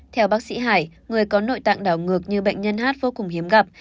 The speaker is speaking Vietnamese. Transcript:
theo bác sĩ hải người có nội tạng đảo ngược như bệnh nhân hát vô cùng hiếm gặp